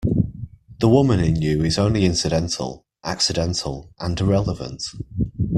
The woman in you is only incidental, accidental, and irrelevant.